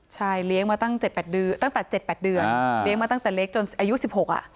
ใช่เลี้ยงมาตั้งแต่เจ็ดแปดเดือนเลี้ยงมาตั้งแต่เล็กจนอายุสิบหกอ่ะ